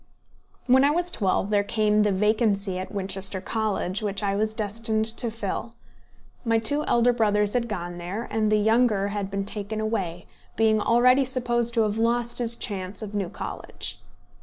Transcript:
When I was twelve there came the vacancy at Winchester College which I was destined to fill. My two elder brothers had gone there, and the younger had been taken away, being already supposed to have lost his chance of New College.